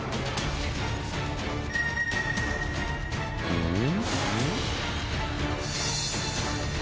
うん？